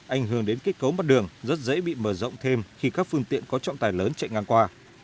ảnh hưởng đến kết cấu mặt đường rất dễ bị mở rộng thêm khi các phương tiện có trọng tài lớn chạy ngang qua